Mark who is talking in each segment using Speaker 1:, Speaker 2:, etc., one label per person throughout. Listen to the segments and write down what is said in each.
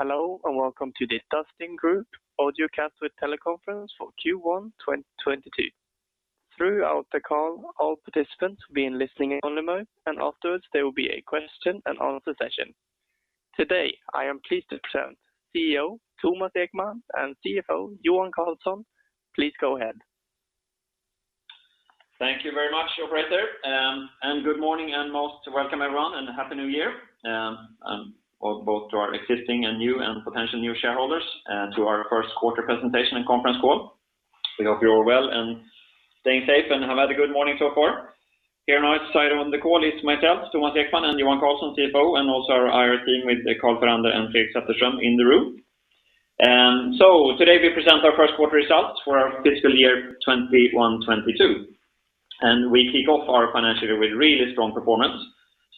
Speaker 1: Hello, and welcome to the Dustin Group audio cast with teleconference for Q1 2022. Throughout the call, all participants will be in listening only mode, and afterwards there will be a question and answer session. Today, I am pleased to present CEO Thomas Ekman and CFO Johan Karlsson. Please go ahead.
Speaker 2: Thank you very much, operator. Good morning, and most welcome everyone and happy New Year, both to our existing and new and potential new shareholders, to our first quarter presentation and conference call. We hope you're well and staying safe and have had a good morning so far. Here now to start on the call is myself, Thomas Ekman, and Johan Karlsson, CFO, and also our IR team with Carl Ferranda and Fredrik Sätterström in the room. Today we present our first quarter results for our fiscal year 2021, 2022, and we kick off our financial year with really strong performance,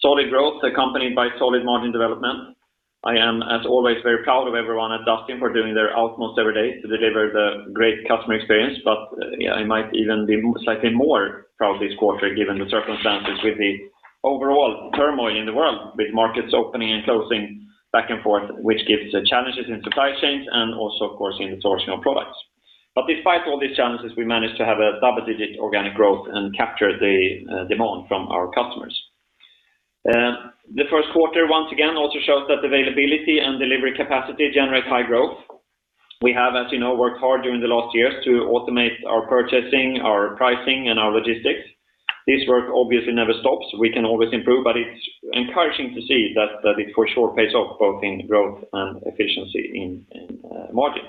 Speaker 2: solid growth accompanied by solid margin development. I am, as always, very proud of everyone at Dustin for doing their utmost every day to deliver the great customer experience. I might even be slightly more proud this quarter given the circumstances with the overall turmoil in the world, with markets opening and closing back and forth, which gives the challenges in supply chains and also of course in the sourcing of products. Despite all these challenges, we managed to have a double-digit organic growth and capture the demand from our customers. The first quarter once again also shows that availability and delivery capacity generate high growth. We have, as you know, worked hard during the last years to automate our purchasing, our pricing, and our logistics. This work obviously never stops. We can always improve, but it's encouraging to see that it for sure pays off both in growth and efficiency in margin.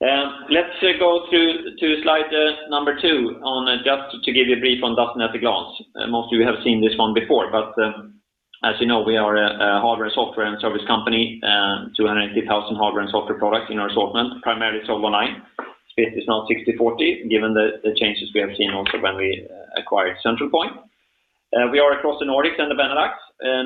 Speaker 2: Let's go through to slide number two on just to give you a brief on Dustin at a glance. Most of you have seen this one before, but, as you know, we are a hardware, software, and service company, 250,000 hardware and software products in our assortment, primarily sold online. Split is now 60/40 given the changes we have seen also when we acquired Centralpoint. We are across the Nordics and the Benelux.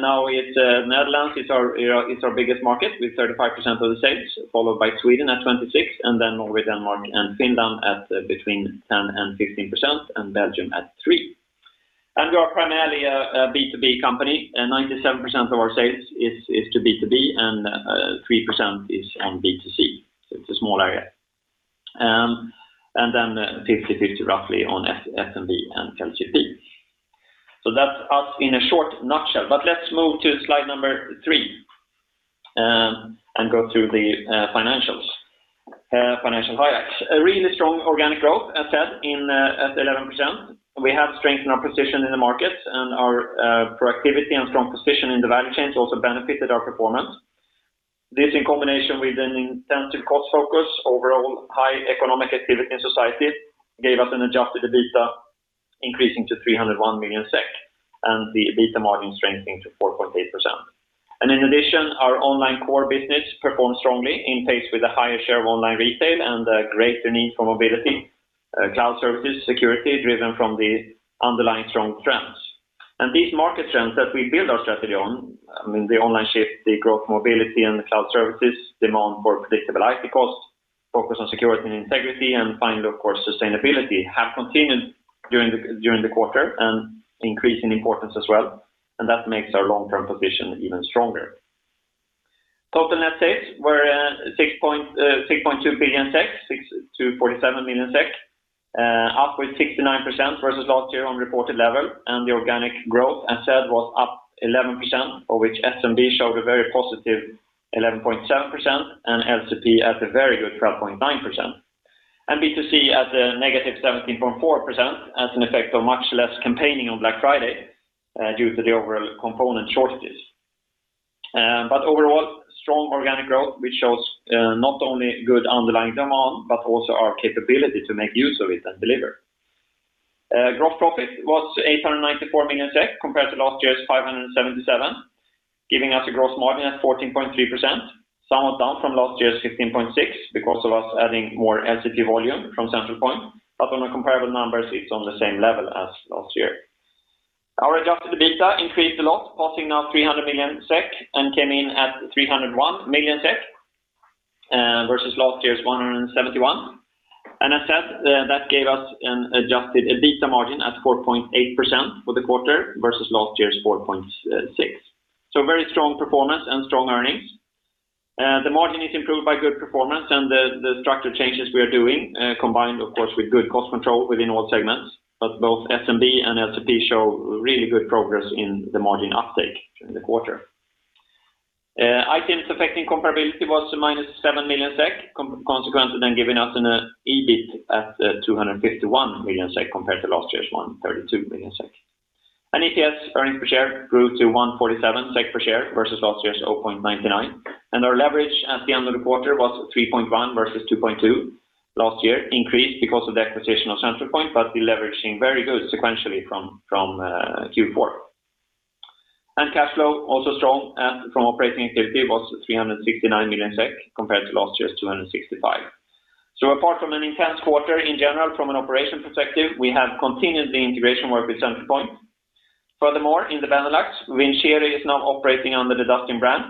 Speaker 2: Now it's, Netherlands is our biggest market with 35% of the sales, followed by Sweden at 26%, and then Norway, Denmark, and Finland at between 10% and 15%, and Belgium at 3%. We are primarily a B2B company. 97% of our sales is to B2B and, 3% is on B2C. It's a small area. 50/50 roughly on SMB and LCP. That's us in a short nutshell. Let's move to slide three and go through the financial highlights. A really strong organic growth, as said, at 11%. We have strengthened our position in the market and our productivity and strong position in the value chain has also benefited our performance. This in combination with an intensive cost focus, overall high economic activity in society gave us an adjusted EBITDA increasing to 301 million SEK, and the EBITDA margin strengthening to 4.8%. In addition, our online core business performed strongly in pace with a higher share of online retail and a greater need for mobility, cloud services, security driven from the underlying strong trends. These market trends that we build our strategy on, I mean, the online shift, the growth mobility and the cloud services demand for predictable IT costs, focus on security and integrity, and finally of course, sustainability have continued during the quarter and increase in importance as well. That makes our long-term position even stronger. Total net sales were 6.2 billion, 6,247 million, up with 69% versus last year on reported level. The organic growth, as said, was up 11%, for which SMB showed a very positive 11.7% and LCP at a very good 12.9%. B2C at a negative -17.4% as an effect of much less campaigning on Black Friday due to the overall component shortages. Overall strong organic growth, which shows not only good underlying demand, but also our capability to make use of it and deliver. Gross profit was 894 million compared to last year's 577 million, giving us a gross margin at 14.3%, somewhat down from last year's 15.6% because of us adding more LCP volume from Centralpoint. On comparable numbers, it's on the same level as last year. Our adjusted EBITDA increased a lot, passing now 300 million SEK, and came in at 301 million SEK versus last year's 171 million. As said, that gave us an adjusted EBITDA margin at 4.8% for the quarter versus last year's 4.6%. Very strong performance and strong earnings. The margin is improved by good performance and the structure changes we are doing, combined of course with good cost control within all segments. Both SMB and LCP show really good progress in the margin uptake in the quarter. Items affecting comparability was -7 million SEK, consequently then giving us an EBIT at 251 million SEK compared to last year's 132 million SEK. EPS earnings per share grew to 1.47 SEK per share versus last year's 0.99. Our leverage at the end of the quarter was 3.1 versus 2.2 last year, increased because of the acquisition of Centralpoint, but deleveraging very good sequentially from Q4. Cash flow also strong, and from operating activity was 369 million SEK compared to last year's 265 million. Apart from an intense quarter in general from an operation perspective, we have continued the integration work with Centralpoint. Furthermore, in the Benelux, Vincere is now operating under the Dustin brand,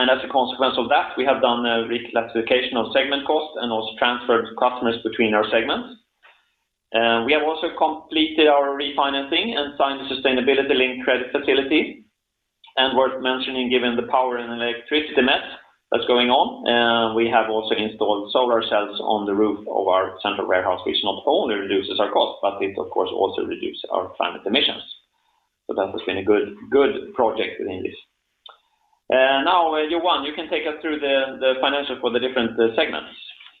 Speaker 2: and as a consequence of that, we have done a reclassification of segment costs and also transferred customers between our segments. We have also completed our refinancing and signed the sustainability-linked credit facility. Worth mentioning, given the power and electricity mess that's going on, we have also installed solar cells on the roof of our central warehouse, which not only reduces our cost, but it of course also reduce our climate emissions. That has been a good project within this. Now, Johan, you can take us through the financial for the different segments.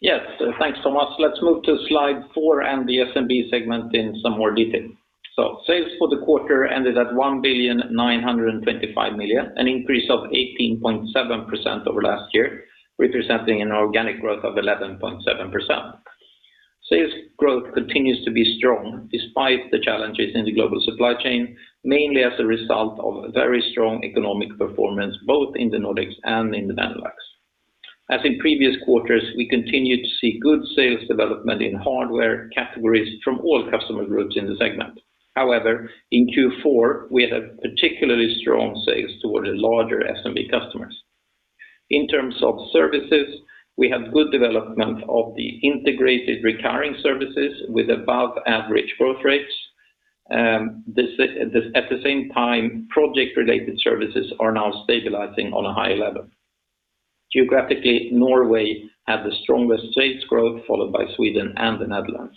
Speaker 3: Yes. Thanks so much. Let's move to slide four and the SMB segment in some more detail. Sales for the quarter ended at 1,925 million, an increase of 18.7% over last year, representing an organic growth of 11.7%. Sales growth continues to be strong despite the challenges in the global supply chain, mainly as a result of very strong economic performance both in the Nordics and in the Benelux. As in previous quarters, we continue to see good sales development in hardware categories from all customer groups in the segment. However, in Q4, we had a particularly strong sales toward the larger SMB customers. In terms of services, we have good development of the integrated recurring services with above average growth rates. At the same time, project-related services are now stabilizing on a high level. Geographically, Norway had the strongest sales growth, followed by Sweden and the Netherlands.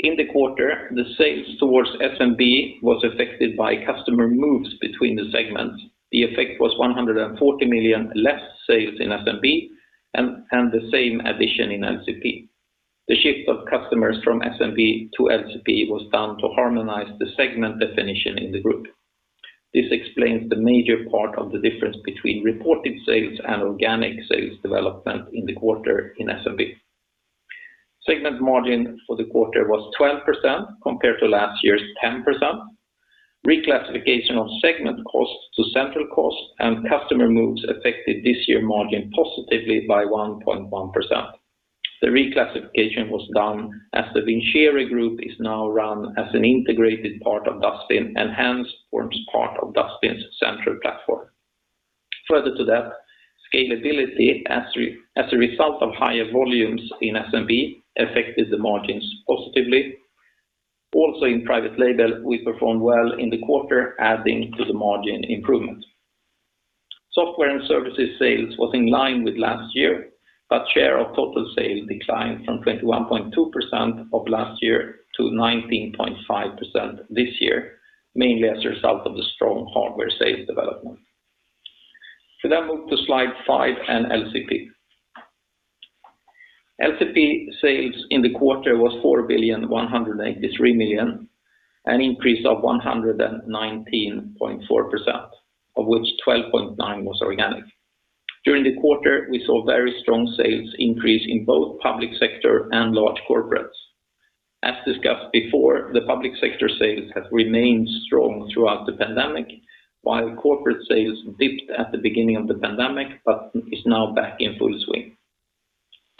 Speaker 3: In the quarter, the sales towards SMB was affected by customer moves between the segments. The effect was 140 million less sales in SMB and the same addition in LCP. The shift of customers from SMB to LCP was done to harmonize the segment definition in the group. This explains the major part of the difference between reported sales and organic sales development in the quarter in SMB. Segment margin for the quarter was 12% compared to last year's 10%. Reclassification of segment costs to central costs and customer moves affected this year's margin positively by 1.1%. The reclassification was done as the Vincere Groep is now run as an integrated part of Dustin and hence forms part of Dustin's central platform. Further to that, scalability as a result of higher volumes in SMB affected the margins positively. Also in Private Label, we performed well in the quarter, adding to the margin improvement. Software and services sales was in line with last year, but share of total sales declined from 21.2% of last year to 19.5% this year, mainly as a result of the strong hardware sales development. We then move to slide 5 and LCP. LCP sales in the quarter was 4,183 million, an increase of 119.4%, of which 12.9% was organic. During the quarter, we saw very strong sales increase in both public sector and large corporates. As discussed before, the public sector sales have remained strong throughout the pandemic, while corporate sales dipped at the beginning of the pandemic, but is now back in full swing.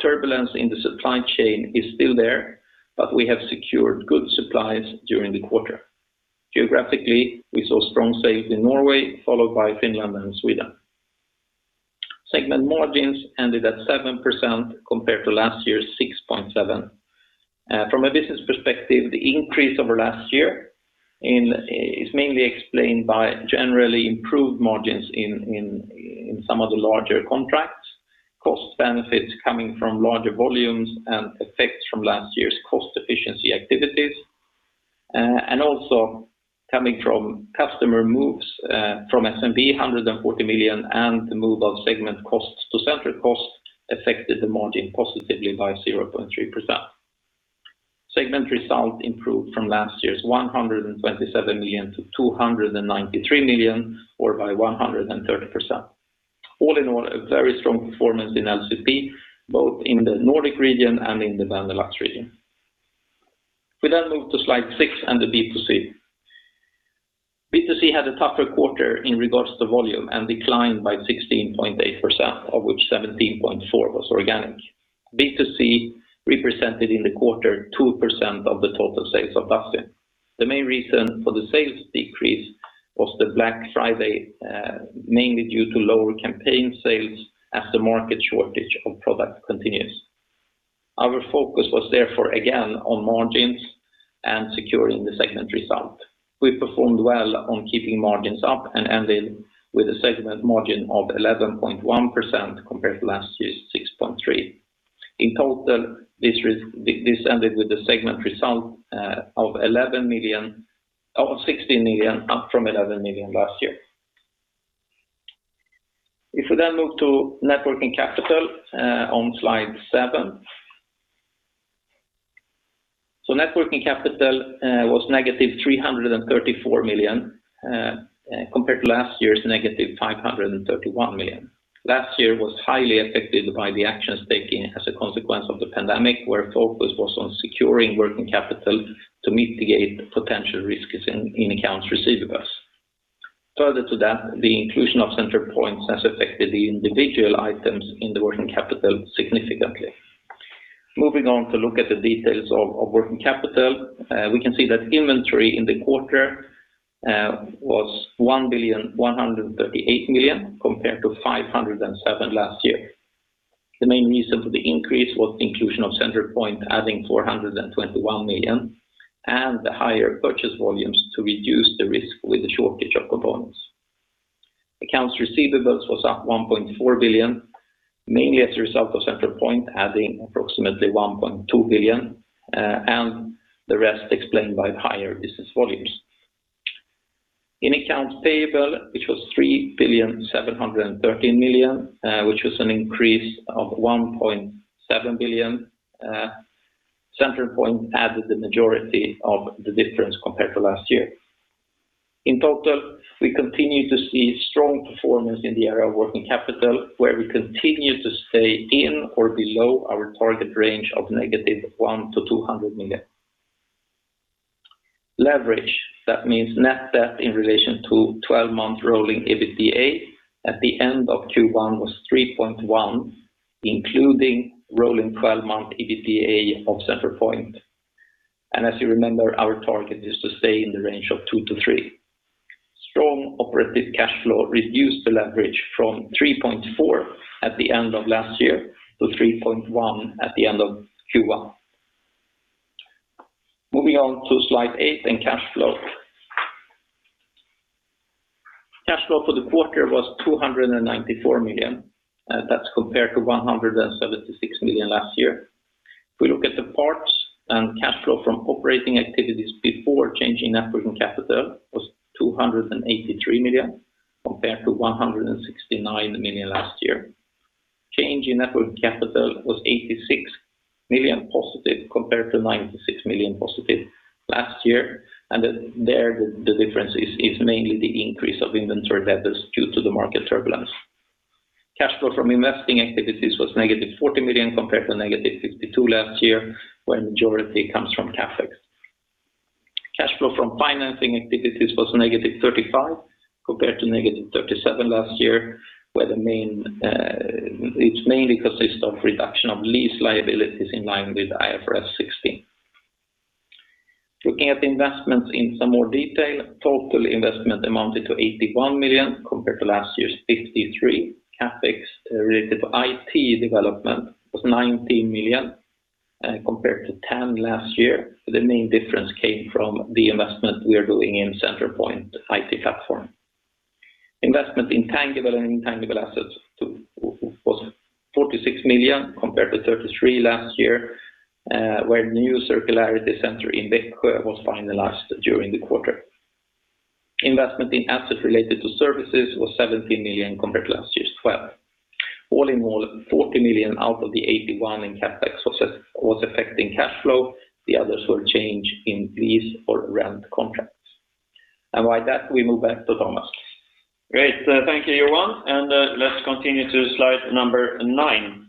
Speaker 3: Turbulence in the supply chain is still there, but we have secured good supplies during the quarter. Geographically, we saw strong sales in Norway, followed by Finland and Sweden. Segment margins ended at 7% compared to last year's 6.7%. From a business perspective, the increase over last year is mainly explained by generally improved margins in some of the larger contracts, cost benefits coming from larger volumes and effects from last year's cost efficiency activities, and also coming from customer moves from SMB, 140 million, and the move of segment costs to central costs affected the margin positively by 0.3%. Segment results improved from last year's 127 million to 293 million or by 130%. All in all, a very strong performance in LCP, both in the Nordic region and in the Benelux region. We move to slide six and the B2C. B2C had a tougher quarter in regards to volume and declined by 16.8%, of which 17.4% was organic. B2C represented in the quarter 2% of the total sales of Dustin. The main reason for the sales decrease was the Black Friday, mainly due to lower campaign sales as the market shortage of products continues. Our focus was therefore again on margins and securing the segment result. We performed well on keeping margins up and ended with a segment margin of 11.1% compared to last year's 6.3%. In total, this ended with a segment result of 16 million, up from 11 million last year. If we then move to net working capital on slide seven. Net working capital was negative 334 million compared to last year's negative 531 million. Last year was highly affected by the actions taken as a consequence of the pandemic, where focus was on securing working capital to mitigate potential risks in accounts receivables. Further to that, the inclusion of Centralpoint has affected the individual items in the working capital significantly. Moving on to look at the details of working capital, we can see that inventory in the quarter was 1,138 million compared to 507 million last year. The main reason for the increase was the inclusion of Centralpoint adding 421 million and the higher purchase volumes to reduce the risk with the shortage of components. Accounts receivables was at 1.4 billion, mainly as a result of Centralpoint adding approximately 1.2 billion, and the rest explained by higher business volumes. In accounts payable, which was 3.713 billion, which was an increase of 1.7 billion, Centralpoint added the majority of the difference compared to last year. In total, we continue to see strong performance in the area of working capital, where we continue to stay in or below our target range of -100 million to 200 million. Leverage. That means net debt in relation to 12-month rolling EBITDA at the end of Q1 was 3.1, including rolling 12-month EBITDA of Centralpoint. As you remember, our target is to stay in the range of two to three. Strong operating cash flow reduced the leverage from 3.4 at the end of last year to 3.1 at the end of Q1. Moving on to slide eight in cash flow. Cash flow for the quarter was 294 million, that's compared to 176 million last year. If we look at the parts, cash flow from operating activities before changes in net working capital was 283 million compared to 169 million last year. Change in net working capital was 86 million positive compared to 96 million positive last year. There, the difference is mainly the increase of inventory levels due to the market turbulence. Cash flow from investing activities was -40 million compared to -52 million last year, where majority comes from CapEx. Cash flow from financing activities was -35 million compared to -37 million last year, where the main. It mainly consists of reduction of lease liabilities in line with IFRS 16. Looking at the investments in some more detail, total investment amounted to 81 million compared to last year's 53. CapEx related to IT development was 19 million compared to 10 last year. The main difference came from the investment we are doing in Centralpoint IT platform. Investment in tangible and intangible assets was 46 million compared to 33 last year, where new circularity center in Växjö was finalized during the quarter. Investment in assets related to services was 17 million compared to last year's 12 million. All in all, 40 million out of the 81 million in CapEx was affecting cash flow. The others were change in lease or rent contracts. With that, we move back to Thomas.
Speaker 2: Great. Thank you, Johan. Let's continue to slide number nine.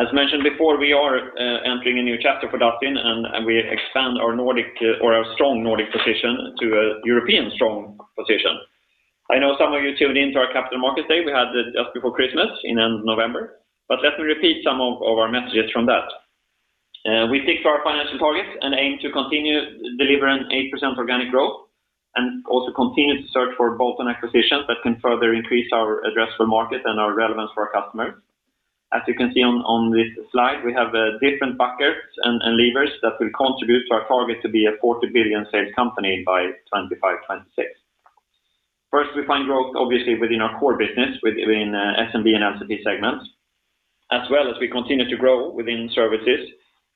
Speaker 2: As mentioned before, we are entering a new chapter for Dafi and we expand our Nordic or our strong Nordic position to a European strong position. I know some of you tuned into our Capital Market Day we had just before Christmas at the end of November, but let me repeat some of our messages from that. We stick to our financial targets and aim to continue delivering 8% organic growth and also continue to search for bolt-on acquisitions that can further increase our addressable market and our relevance for our customers. As you can see on this slide, we have different buckets and levers that will contribute to our target to be a 40 billion sales company by 2025, 2026. First, we find growth obviously within our core business within SMB and LCP segments, as well as we continue to grow within services,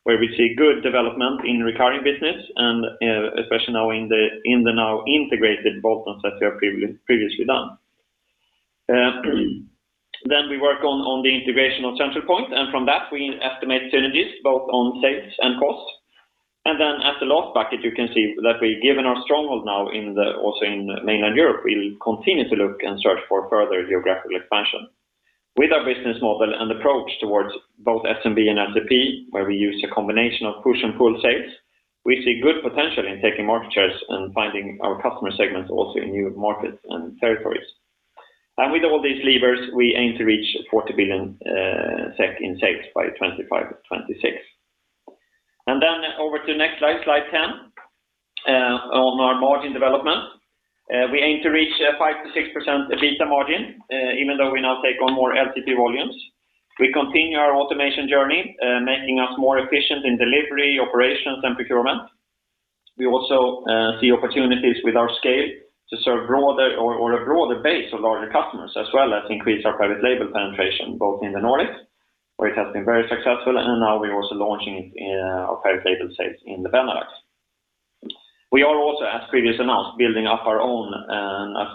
Speaker 2: where we see good development in recurring business and especially now in the now integrated bolt-ons that we have previously done. We work on the integration of Centralpoint, and from that, we estimate synergies both on sales and cost. As the last bucket, you can see that we've given our stronghold now also in mainland Europe. We'll continue to look and search for further geographical expansion. With our business model and approach towards both SMB and LCP, where we use a combination of push and pull sales, we see good potential in taking market shares and finding our customer segments also in new markets and territories. With all these levers, we aim to reach 40 billion SEK in sales by 2025-2026. Over to next slide 10, on our margin development. We aim to reach a 5%-6% EBITDA margin, even though we now take on more LCP volumes. We continue our automation journey, making us more efficient in delivery, operations, and procurement. We also see opportunities with our scale to serve a broader base of larger customers, as well as increase our private label penetration, both in the Nordics, where it has been very successful, and now we're also launching it in our private label sales in the Benelux. We are also, as previously announced, building up our own,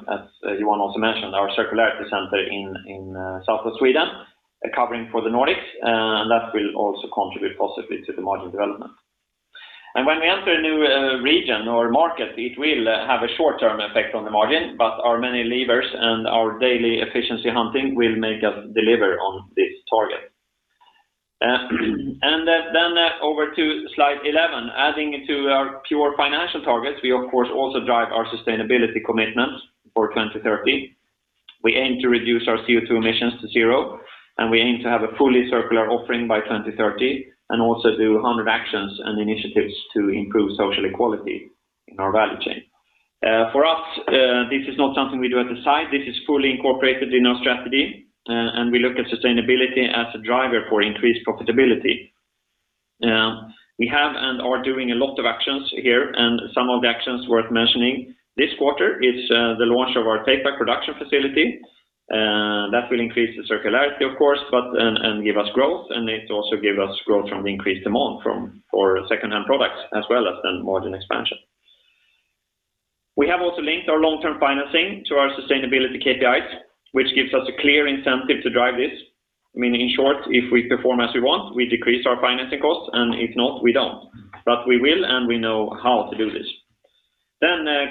Speaker 2: as Johan also mentioned, our takeback centre in south of Sweden, covering for the Nordics, and that will also contribute positively to the margin development. When we enter a new region or market, it will have a short-term effect on the margin, but our many levers and our daily efficiency hunting will make us deliver on this target. Over to slide 11. Adding to our pure financial targets, we of course also drive our sustainability commitment for 2030. We aim to reduce our CO2 emissions to zero, and we aim to have a fully circular offering by 2030 and also do 100 actions and initiatives to improve social equality in our value chain. For us, this is not something we do at the side. This is fully incorporated in our strategy, and we look at sustainability as a driver for increased profitability. We have and are doing a lot of actions here, and some of the actions worth mentioning this quarter is the launch of our take back production facility that will increase the circularity of course, but give us growth, and it also give us growth from the increased demand for secondhand products as well as margin expansion. We have also linked our long-term financing to our sustainability KPIs, which gives us a clear incentive to drive this. I mean, in short, if we perform as we want, we decrease our financing costs, and if not, we don't. We will and we know how to do this.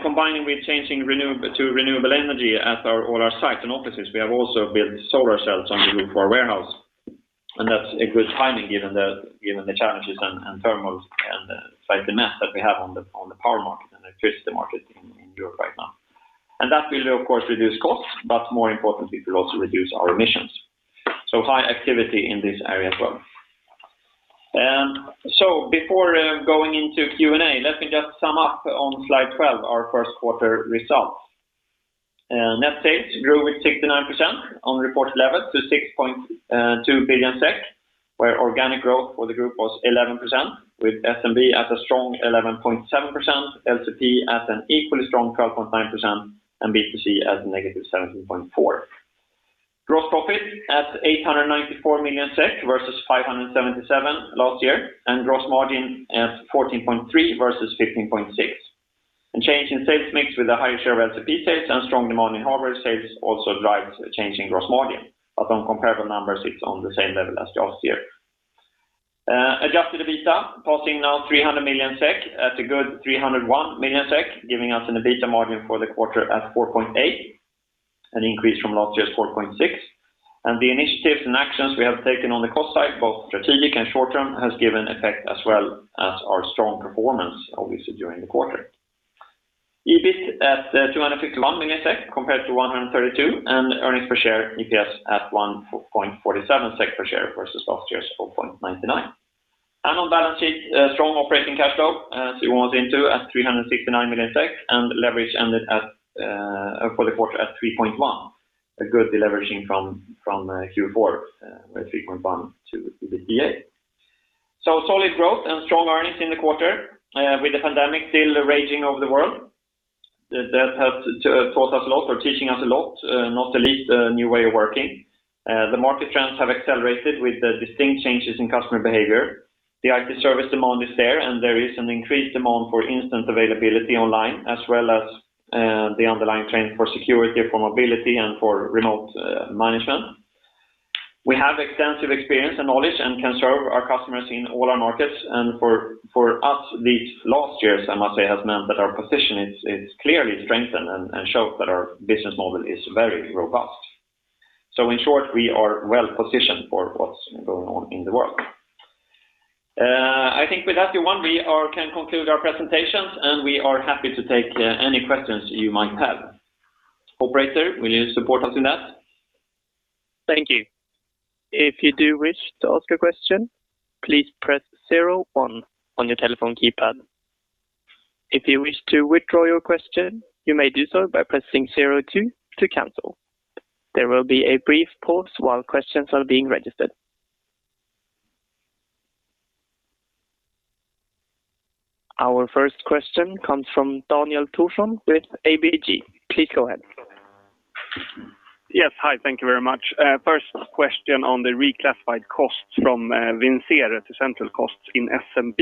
Speaker 2: Combining with changing to renewable energy at all our sites and offices, we have also built solar cells on the roof of our warehouse, and that's good timing given the challenges and terms and the like that we have on the power market and electricity market in Europe right now. That will of course reduce costs, but more importantly, it will also reduce our emissions. High activity in this area as well. Before going into Q&A, let me just sum up on slide 12 our first quarter results. Net sales grew with 69% on reported level to 6.2 billion SEK, where organic growth for the group was 11% with SMB at a strong 11.7%, LCP at an equally strong 12.9%, and B2C as negative -17.4%. Gross profit at 894 million SEK versus 577 million last year, and gross margin at 14.3% versus 15.6%. A change in sales mix with a higher share of LCP sales and strong demand in hardware sales also drives a change in gross margin, but on comparable numbers, it's on the same level as last year. Adjusted EBITDA passing now 300 million SEK at a good 301 million SEK, giving us an EBITDA margin for the quarter at 4.8%, an increase from last year's 4.6%. The initiatives and actions we have taken on the cost side, both strategic and short-term, has given effect as well as our strong performance obviously during the quarter. EBIT at 251 million SEK compared to 132 million, and earnings per share, EPS, at 1.47 SEK per share versus last year's 4.99 SEK per share. On balance sheet, strong operating cash flow as you know at 369 million SEK and leverage ended at for the quarter at 3.1. A good deleveraging from Q4 at 3.1 to 2.8. Solid growth and strong earnings in the quarter, with the pandemic still raging over the world. That has taught us a lot or teaching us a lot, not the least a new way of working. The market trends have accelerated with the distinct changes in customer behavior. The IT service demand is there, and there is an increased demand for instant availability online as well as, the underlying trend for security, for mobility, and for remote, management. We have extensive experience and knowledge and can serve our customers in all our markets. For us, these last years, I must say, has meant that our position is clearly strengthened and shows that our business model is very robust. In short, we are well-positioned for what's going on in the world. I think with that, Johan, we can conclude our presentations, and we are happy to take any questions you might have. Operator, will you support us in that?
Speaker 1: Thank you. If you do wish to ask a question, please press zero one on your telephone keypad. If you wish to withdraw your question, you may do so by pressing zero two to cancel. There will be a brief pause while questions are being registered. Our first question comes from Daniel Thorsson with ABG. Please go ahead.
Speaker 4: Yes. Hi. Thank you very much. First question on the reclassified costs from Vincere to central costs in SMB.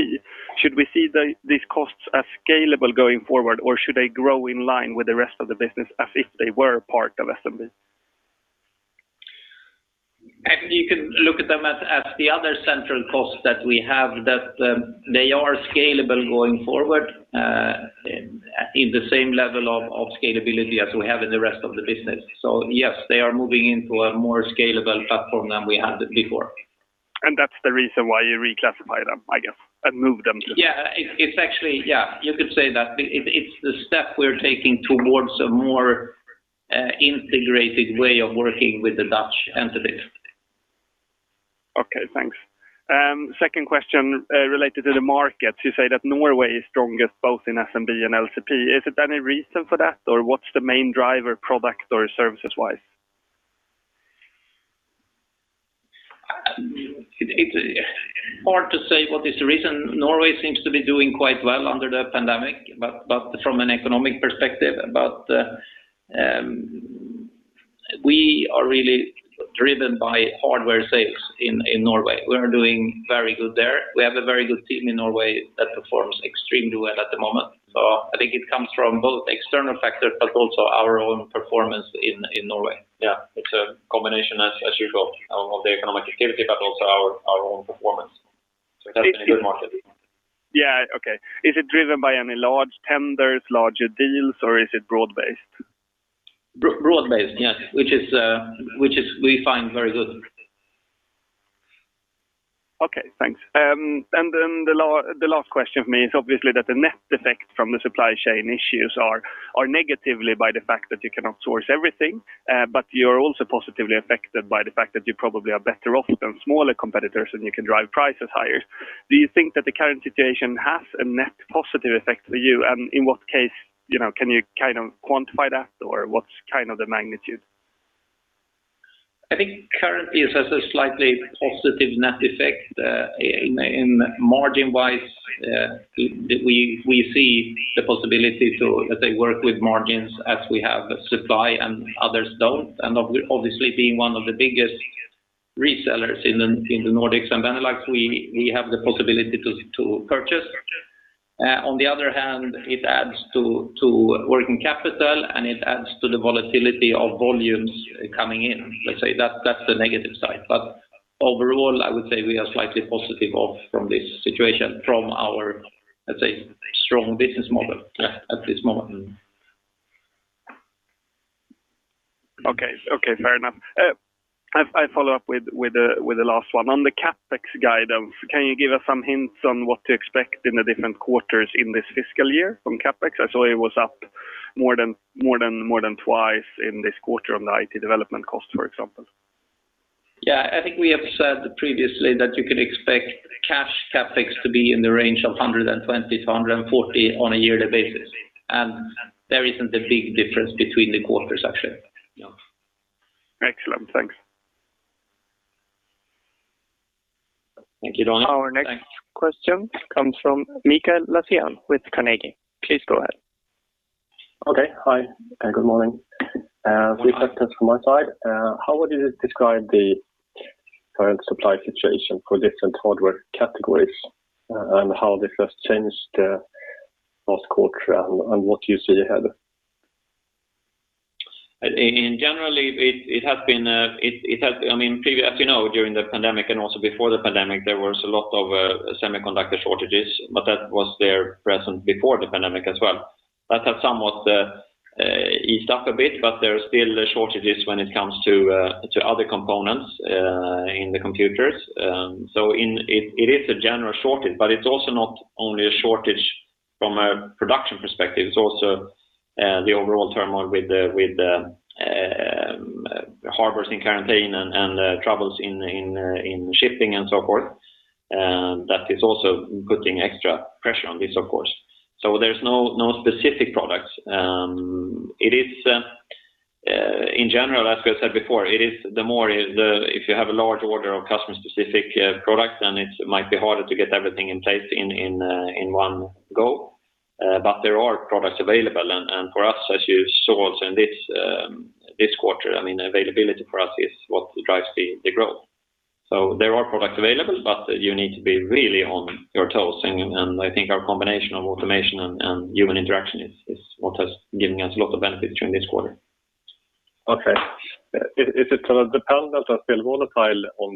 Speaker 4: Should we see these costs as scalable going forward, or should they grow in line with the rest of the business as if they were part of SMB?
Speaker 2: You can look at them as the other central costs that we have. They are scalable going forward in the same level of scalability as we have in the rest of the business. Yes, they are moving into a more scalable platform than we had before.
Speaker 4: That's the reason why you reclassify them, I guess, and move them to.
Speaker 2: Yeah, you could say that. It's actually the step we're taking towards a more integrated way of working with the Dutch entities.
Speaker 4: Okay. Thanks. Second question, related to the market. You say that Norway is strongest both in SMB and LCP. Is it any reason for that, or what's the main driver product or services-wise?
Speaker 2: It's hard to say what is the reason. Norway seems to be doing quite well under the pandemic, from an economic perspective. We are really driven by hardware sales in Norway. We are doing very good there. We have a very good team in Norway that performs extremely well at the moment. I think it comes from both external factors, but also our own performance in Norway. Yeah. It's a combination, as usual, of the economic activity, but also our own performance. It helps the new market.
Speaker 4: Yeah. Okay. Is it driven by any large tenders, larger deals, or is it broad-based?
Speaker 2: Broad-based, yes, which is we find very good.
Speaker 4: Okay, thanks. The last question for me is obviously that the net effect from the supply chain issues are negatively by the fact that you cannot source everything. You're also positively affected by the fact that you probably are better off than smaller competitors, and you can drive prices higher. Do you think that the current situation has a net positive effect for you? In what case, you know, can you kind of quantify that? Or what's kind of the magnitude?
Speaker 3: I think currently it has a slightly positive net effect. In margin wise, we see the possibility to, let's say, work with margins as we have the supply and others don't. Obviously being one of the biggest resellers in the Nordics and Benelux, we have the possibility to purchase. On the other hand, it adds to working capital, and it adds to the volatility of volumes coming in. Let's say that's the negative side. Overall, I would say we are slightly positive of from this situation from our, let's say, strong business model at this moment.
Speaker 4: Okay, fair enough. I follow up with the last one. On the CapEx guide, can you give us some hints on what to expect in the different quarters in this fiscal year from CapEx? I saw it was up more than twice in this quarter on the IT development cost, for example.
Speaker 3: Yeah. I think we have said previously that you can expect cash CapEx to be in the range of 120-140 on a yearly basis. There isn't a big difference between the quarters, actually. Yeah.
Speaker 4: Excellent. Thanks.
Speaker 2: Thank you, Daniel Thorsson.
Speaker 1: Our next question comes from Mikael Laséen with Carnegie. Please go ahead.
Speaker 5: Okay. Hi, and good morning. We start just from my side. How would you describe the current supply situation for different hardware categories, and how they have changed last quarter and what you see ahead?
Speaker 2: In general, it has been. I mean, previously, as you know, during the pandemic and also before the pandemic, there was a lot of semiconductor shortages, but that was already present before the pandemic as well. That has somewhat eased up a bit, but there are still shortages when it comes to other components in the computers. It is a general shortage, but it's also not only a shortage from a production perspective. It's also the overall turmoil with the harbors in quarantine and troubles in shipping and so forth. That is also putting extra pressure on this, of course. There's no specific products. It is, in general, as we said before, if you have a large order of customer specific products, then it might be harder to get everything in place in one go. But there are products available and for us, as you saw also in this quarter, I mean, availability for us is what drives the growth. There are products available, but you need to be really on your toes. I think our combination of automation and human interaction is what has given us a lot of benefits during this quarter.
Speaker 5: Okay. Is it sort of dependent or still volatile on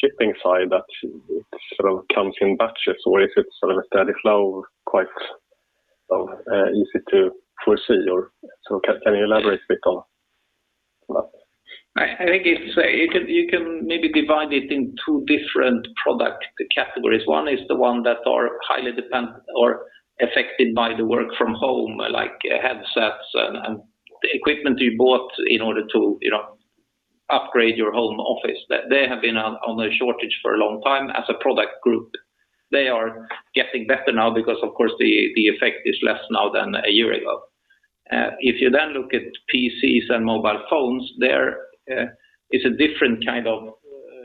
Speaker 5: the shipping side that it sort of comes in batches, or is it sort of a steady flow, quite easy to foresee? Can you elaborate a bit on that?
Speaker 3: I think it's you can maybe divide it in two different product categories. One is the one that are highly dependent or affected by the work from home, like headsets and equipment you bought in order to, you know, upgrade your home office. They have been on a shortage for a long time as a product group. They are getting better now because of course the effect is less now than a year ago. If you then look at PCs and mobile phones, there is a different kind of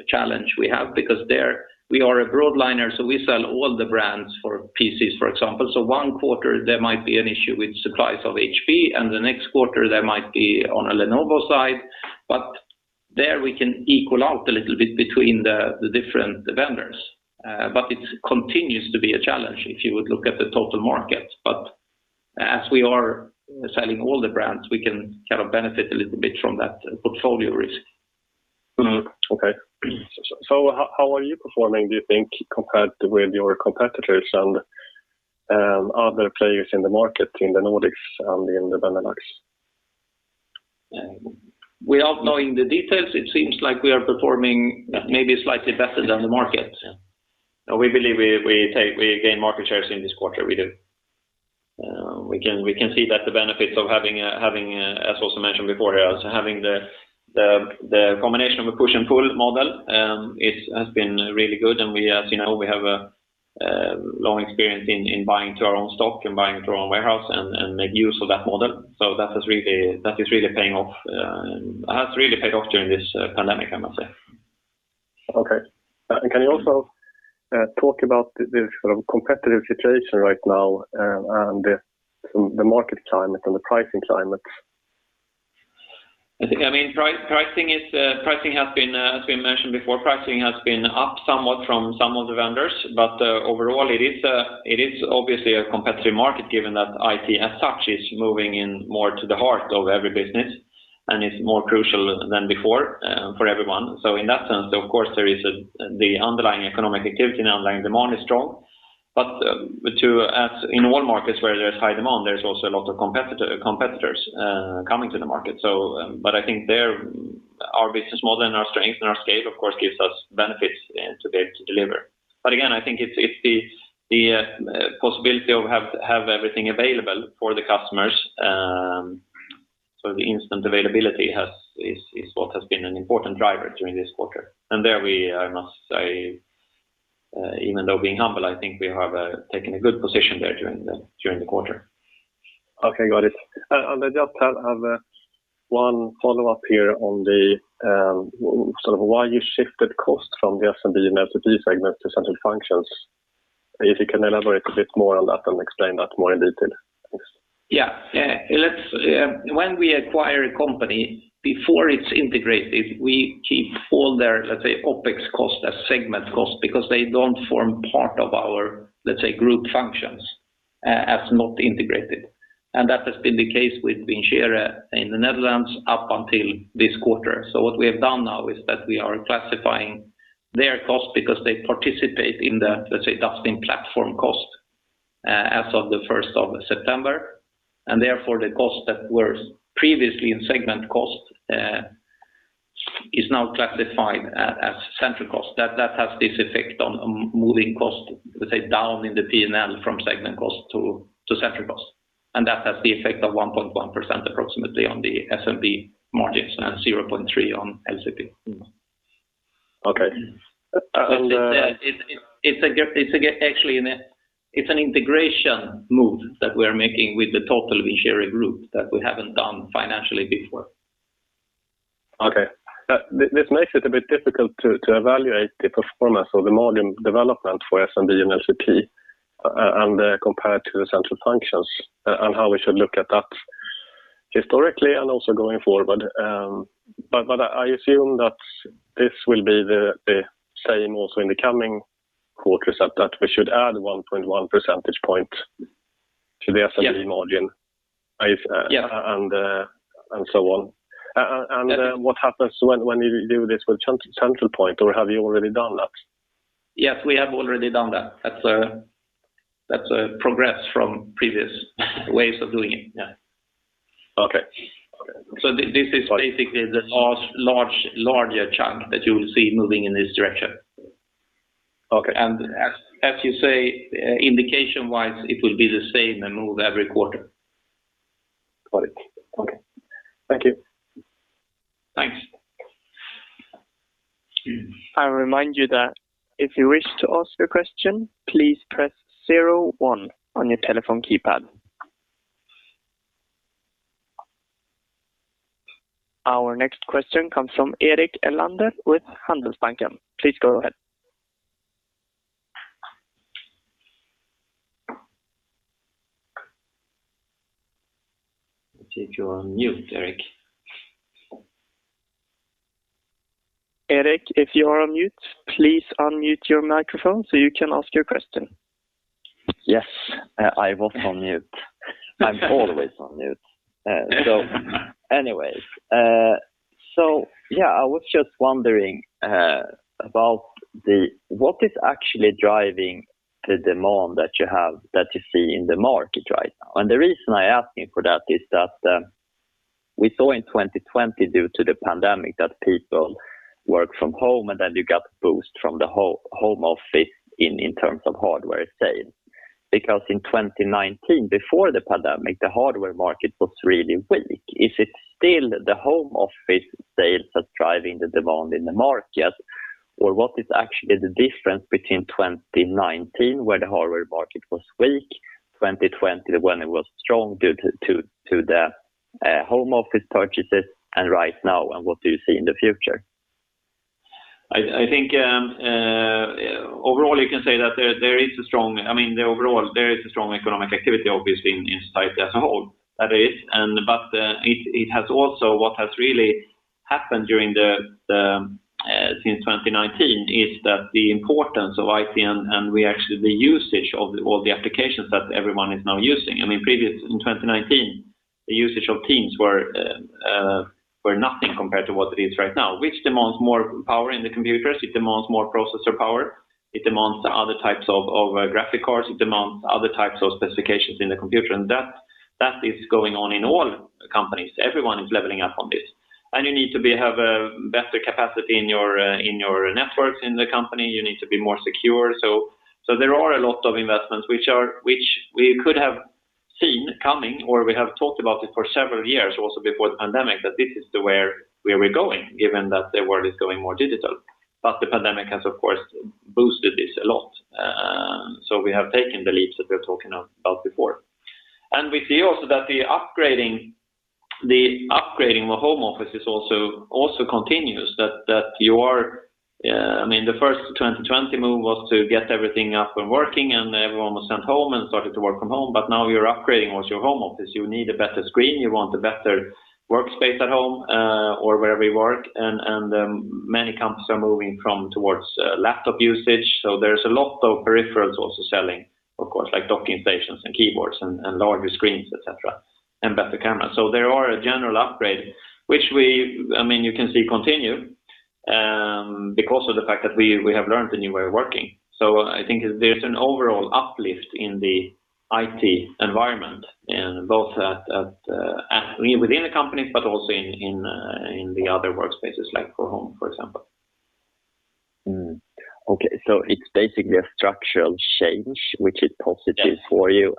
Speaker 3: challenge we have because there we are a broad liner, so we sell all the brands for PCs, for example. One quarter there might be an issue with supplies of HP, and the next quarter there might be on a Lenovo side. There we can equal out a little bit between the different vendors. It continues to be a challenge if you would look at the total market. As we are selling all the brands, we can kind of benefit a little bit from that portfolio risk.
Speaker 5: Mm-hmm. Okay. How are you performing, do you think, compared with your competitors and other players in the market in the Nordics and in the Benelux?
Speaker 3: Without knowing the details, it seems like we are performing maybe slightly better than the market.
Speaker 2: We believe we gain market shares in this quarter. We do. We can see that the benefits of having a, as also mentioned before, as having the combination of a push and pull model, it has been really good. We, as you know, we have a long experience in buying to our own stock and buying to our own warehouse and make use of that model. That has really paid off during this pandemic, I must say.
Speaker 5: Okay. Can you also talk about the sort of competitive situation right now, and the market climate and the pricing climate?
Speaker 3: I think, I mean, pricing has been up somewhat from some of the vendors, as we mentioned before. Overall it is obviously a competitive market given that IT as such is moving more into the heart of every business and is more crucial than before for everyone. In that sense, of course, there is the underlying economic activity and underlying demand is strong. To add in all markets where there's high demand, there's also a lot of competitors coming to the market. I think that our business model and our strength and our scale, of course, gives us benefits and to be able to deliver. Again, I think it's the possibility to have everything available for the customers. The instant availability is what has been an important driver during this quarter. I must say, even though being humble, I think we have taken a good position there during the quarter.
Speaker 5: Okay, got it. I just have one follow-up here on the sort of why you shifted cost from the SMB and LCP segment to central functions. If you can elaborate a bit more on that and explain that more in detail. Thanks.
Speaker 3: Yeah. Let's, when we acquire a company, before it's integrated, we keep all their, let's say, OpEx cost as segment cost because they don't form part of our, let's say, group functions as not integrated. That has been the case with Vincere in the Netherlands up until this quarter. What we have done now is that we are classifying their cost because they participate in the, let's say, Dustin platform cost, as of the first of September. Therefore, the costs that were previously in segment cost is now classified as central cost. That has this effect on moving cost, let's say, down in the P&L from segment cost to central cost. That has the effect of 1.1% approximately on the SMB margins and 0.3% on LCP.
Speaker 5: Okay.
Speaker 3: It's an integration move that we are making with the total Vincere Groep that we haven't done financially before.
Speaker 5: Okay. This makes it a bit difficult to evaluate the performance of the margin development for SMB and LCP, and compared to the central functions and how we should look at that historically and also going forward. I assume that this will be the same also in the coming quarters, that we should add 1.1 percentage point to the SMB margin-
Speaker 3: Yes.
Speaker 5: -if, uh-
Speaker 3: Yeah.
Speaker 5: -and, uh, and so on.
Speaker 3: Yeah.
Speaker 5: What happens when you do this with Centralpoint, or have you already done that?
Speaker 3: Yes, we have already done that. That's a progress from previous ways of doing it. Yeah.
Speaker 5: Okay.
Speaker 3: This is basically the last larger chunk that you will see moving in this direction.
Speaker 5: Okay.
Speaker 3: As you say, indication-wise, it will be the same and move every quarter.
Speaker 5: Got it. Okay. Thank you.
Speaker 3: Thanks.
Speaker 1: I'll remind you that if you wish to ask a question, please press zero one on your telephone keypad. Our next question comes from Erik Elander with Handelsbanken. Please go ahead.
Speaker 2: I think you're on mute, Erik.
Speaker 1: Erik, if you are on mute, please unmute your microphone so you can ask your question.
Speaker 6: Yes, I was on mute. I'm always on mute. Anyways. Yeah, I was just wondering about what is actually driving the demand that you have, that you see in the market right now? The reason I'm asking for that is that we saw in 2020 due to the pandemic that people worked from home, and then you got a boost from the home office in terms of hardware sales. Because in 2019, before the pandemic, the hardware market was really weak. Is it still the home office sales that's driving the demand in the market? Or what is actually the difference between 2019, where the hardware market was weak, 2020 when it was strong due to the home office purchases, and right now, and what do you see in the future?
Speaker 2: I think overall you can say that there is a strong economic activity obviously in society as a whole. That is. It has also, what has really happened since 2019 is that the importance of IT and the usage of all the applications that everyone is now using. I mean, in 2019, the usage of Teams was nothing compared to what it is right now, which demands more power in the computers. It demands more processor power. It demands other types of graphics cards. It demands other types of specifications in the computer. That is going on in all companies. Everyone is leveling up on this. You need to have a better capacity in your networks in the company. You need to be more secure. There are a lot of investments which we could have seen coming, or we have talked about it for several years also before the pandemic, that this is where we're going, given that the world is going more digital. The pandemic has of course boosted this a lot. We have taken the leaps that we were talking of about before. We see also that the upgrading the home office is also continuous. That you are. I mean, the first 2020 move was to get everything up and working, and everyone was sent home and started to work from home. Now you're upgrading what's your home office. You need a better screen. You want a better workspace at home, or wherever you work. Many companies are moving from towards laptop usage. There's a lot of peripherals also selling, of course, like docking stations and keyboards and larger screens, et cetera, and better cameras. There are a general upgrade, which we, I mean, you can see continue. Because of the fact that we have learned a new way of working. I think there's an overall uplift in the IT environment in both at within the companies, but also in the other workspaces, like for home, for example.
Speaker 6: It's basically a structural change, which is positive.
Speaker 2: Yeah.
Speaker 6: For you.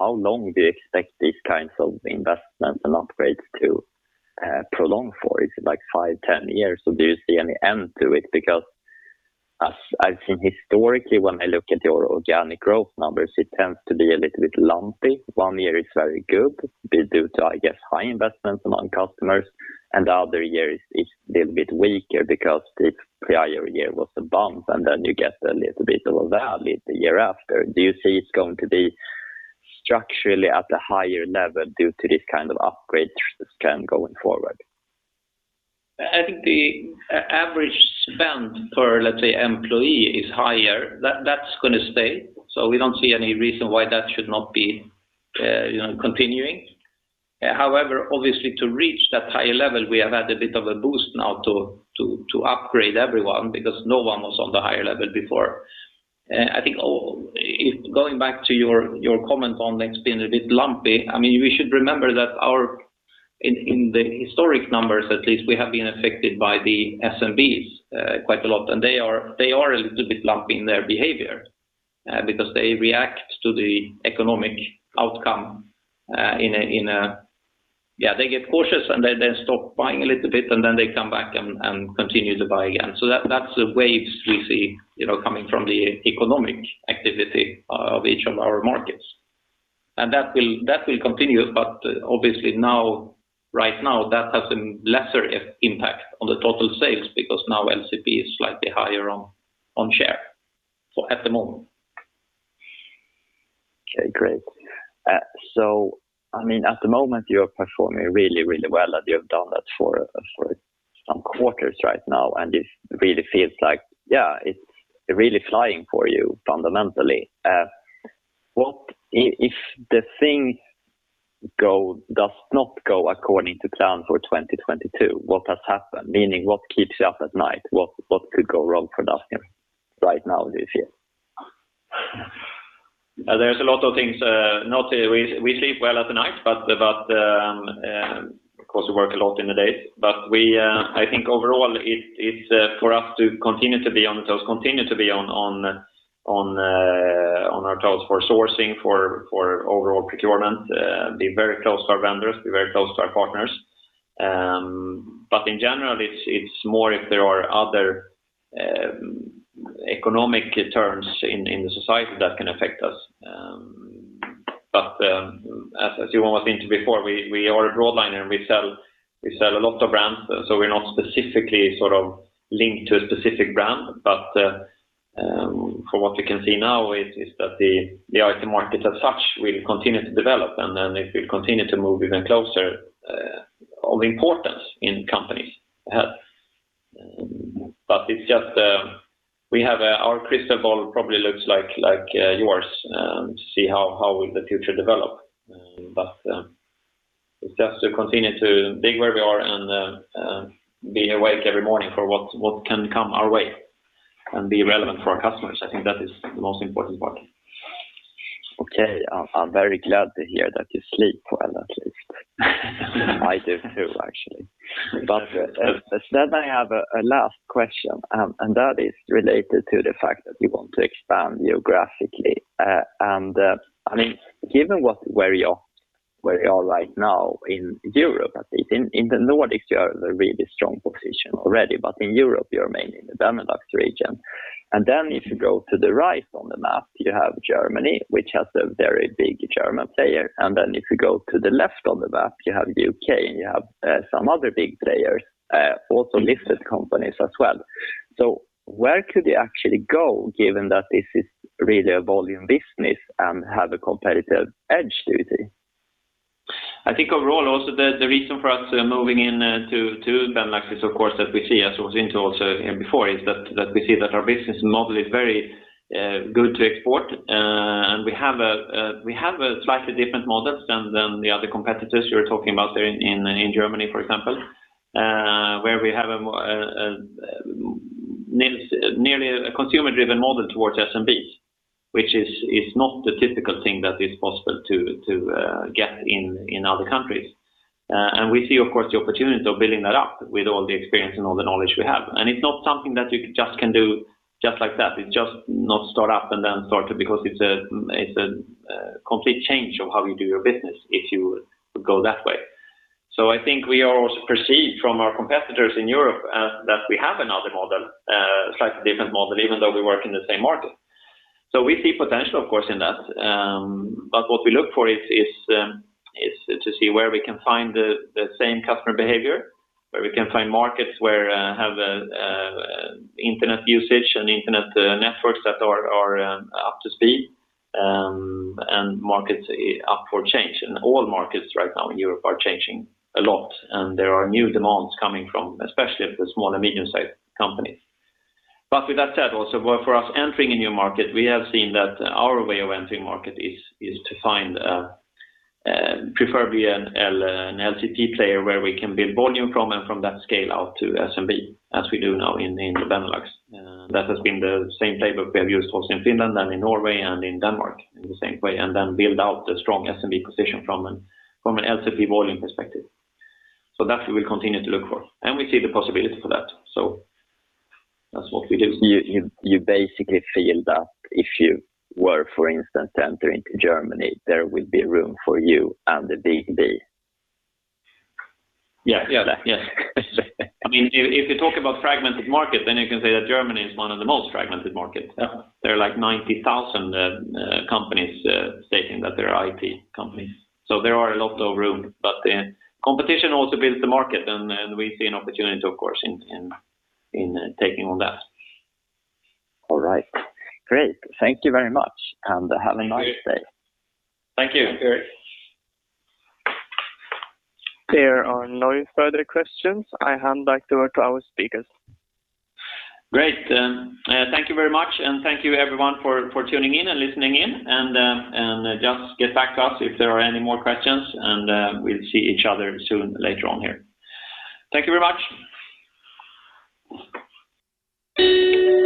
Speaker 6: How long do you expect these kinds of investments and upgrades to prolong for? Is it like five, 10 years, or do you see any end to it? Because as I've seen historically, when I look at your organic growth numbers, it tends to be a little bit lumpy. One year is very good due to, I guess, high investments among customers, and the other year is a little bit weaker because the prior year was a bump, and then you get a little bit of a valley the year after. Do you see it's going to be structurally at a higher level due to this kind of upgrade trend going forward?
Speaker 3: I think the average spend per, let's say, employee is higher. That's gonna stay. We don't see any reason why that should not be, you know, continuing. However, obviously, to reach that higher level, we have had a bit of a boost now to upgrade everyone because no one was on the higher level before. If going back to your comment on things being a bit lumpy, I mean, we should remember that our income in the historic numbers at least, we have been affected by the SMBs quite a lot, and they are a little bit lumpy in their behavior because they react to the economic outcome. Yeah, they get cautious, and they then stop buying a little bit, and then they come back and continue to buy again. That, that's the waves we see, you know, coming from the economic activity of each of our markets. That will continue, but obviously now, right now, that has a lesser impact on the total sales because now LCP is slightly higher in share for the moment.
Speaker 6: Okay, great. So I mean, at the moment, you're performing really, really well, and you've done that for some quarters right now, and it really feels like, yeah, it's really flying for you fundamentally. If things do not go according to plan for 2022, what would happen? Meaning, what keeps you up at night? What could go wrong for Dustin right now this year?
Speaker 2: There's a lot of things. We sleep well at night, but of course we work a lot in the day. I think overall, it's for us to continue to be on our toes for sourcing, for overall procurement, be very close to our vendors, be very close to our partners. In general, it's more if there are other economic trends in the society that can affect us. As you almost hinted before, we are a broadliner, and we sell a lot of brands, so we're not specifically sort of linked to a specific brand. From what we can see now is that the IT market as such will continue to develop, and then it will continue to move even closer to importance in companies. It's just that we have our crystal ball probably looks like yours to see how the future will develop. It's just to continue to dig where we are and be awake every morning for what can come our way and be relevant for our customers. I think that is the most important part.
Speaker 6: Okay. I'm very glad to hear that you sleep well at least. I do too, actually. I have a last question, and that is related to the fact that you want to expand geographically. I mean, given where you are right now in Europe, I think in the Nordics, you are in a really strong position already. In Europe, you are mainly in the Benelux region. If you go to the right on the map, you have Germany, which has a very big German player. If you go to the left on the map, you have U.K., and you have some other big players also listed companies as well. Where could you actually go given that this is really a volume business and have a competitive edge, do you think?
Speaker 2: I think overall also the reason for us moving into Benelux is of course that we see, as was hinted also here before, that our business model is very good to export. We have a slightly different model than the other competitors you're talking about there in Germany, for example, where we have a more nearly consumer-driven model towards SMBs, which is not the typical thing that is possible to get in other countries. We see of course the opportunity of building that up with all the experience and all the knowledge we have. It's not something that you just can do just like that. It's just not start up and then sort it because it's a complete change of how you do your business if you go that way. I think we are also perceived from our competitors in Europe as that we have another model, a slightly different model, even though we work in the same market. We see potential of course in that. What we look for is to see where we can find the same customer behavior, where we can find markets that have internet usage and internet networks that are up to speed, and markets up for change. All markets right now in Europe are changing a lot, and there are new demands coming from especially the small and medium-sized companies. With that said also, for us entering a new market, we have seen that our way of entering market is to find preferably an LCP player where we can build volume from and from that scale out to SMB, as we do now in Benelux. That has been the same playbook we have used also in Finland and in Norway and in Denmark in the same way and then build out a strong SMB position from an LCP volume perspective. That we will continue to look for, and we see the possibility for that. That's what we do.
Speaker 6: You basically feel that if you were, for instance, entering Germany, there will be room for you and the B2B?
Speaker 2: Yes. I mean, if you talk about fragmented market, then you can say that Germany is one of the most fragmented markets.
Speaker 6: Yeah.
Speaker 2: There are like 90,000 companies stating that they're IT companies. There are a lot of room, but competition also builds the market and we see an opportunity of course in taking on that.
Speaker 6: All right. Great. Thank you very much, and have a nice day.
Speaker 2: Thank you.
Speaker 6: Thank you.
Speaker 2: Thank you.
Speaker 1: There are no further questions. I hand back over to our speakers.
Speaker 2: Great. Thank you very much, and thank you everyone for tuning in and listening in. Just get back to us if there are any more questions, and we'll see each other soon later on here. Thank you very much.